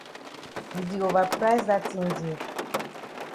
You di ova price dat tin dear.